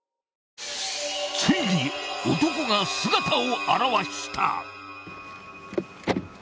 ［ついに男が姿を現した！］